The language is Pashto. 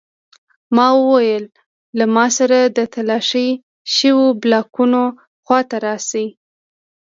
ما وویل له ما سره د تالاشي شویو بلاکونو خواته راشئ